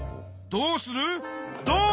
どうする！？